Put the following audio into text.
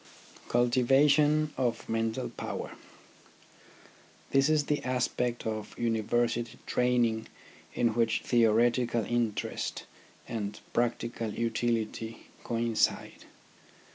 THE RHYTHM OF EDUCATION 27 CULTIVATION OF MENTAL POWER This is the aspect of University training in which theoretical interest and practical utility coincide.